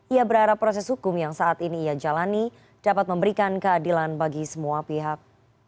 ia berharap proses hukum yang saat ini ia jalani dapat memberikan keadilan bagi semua pihak